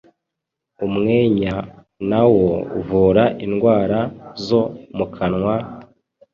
umwenya na wo uvura indwara zo mu kanwa,